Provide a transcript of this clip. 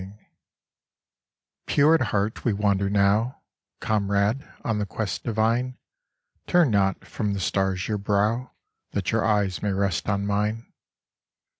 57 PURE at heart we wander now : Comrade on the quest divine, Turn not from the stars your brow That your eyes may rest on mine.